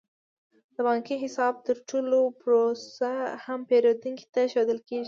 د بانکي حساب د تړلو پروسه هم پیرودونکو ته ښودل کیږي.